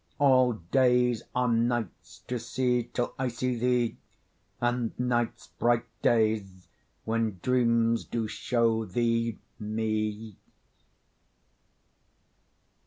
All days are nights to see till I see thee, And nights bright days when dreams do show thee me.